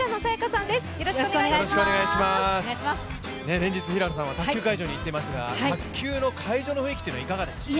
連日平野さんは卓球会場に行っていますが雰囲気はいかがですか？